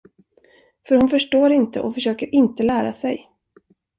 För hon förstår inte och försöker inte lära sig.